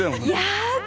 やだ。